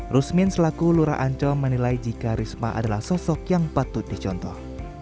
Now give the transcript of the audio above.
rusmin selaku lurah ancol menilai jika risma adalah sosok yang patut dicontoh